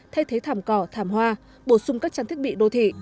thay thế thảm cỏ thảm hoa bổ sung các trang thiết bị đô thị